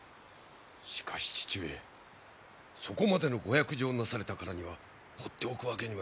しかし父上そこまでのご約定をなされたからにはほっておくわけにはいきますまい。